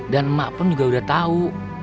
dan emak pun juga udah tau